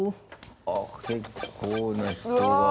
あっ、結構な人が。